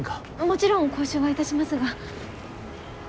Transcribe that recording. もちろん交渉はいたしますが。